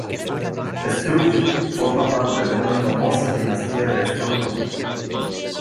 Struve forma parte de una famosa dinastía de astrónomos.